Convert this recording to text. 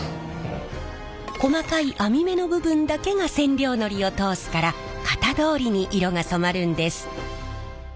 細かい網目の部分だけが染料のりを通すから型どおりに色が染まるんです。